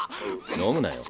飲むなよ。